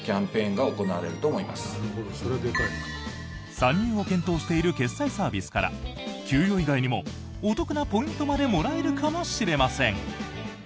参入を検討している決済サービスから給与以外にもお得なポイントまでもらえるかもしれません！